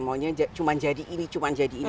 maunya cuma jadi ini cuma jadi ini